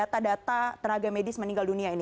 apa sih data data tenaga medis meninggal dunia ini